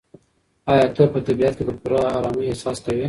ایا ته په طبیعت کې د پوره ارامۍ احساس کوې؟